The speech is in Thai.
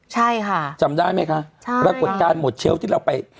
ใช่ค่ะจำได้ไหมคะใช่ปรากฏการณ์หมดเชลล์ที่เราไป